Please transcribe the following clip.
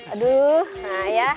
aduh nah ya